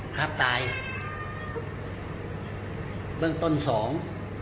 คราบตายเรื่องต้นสอง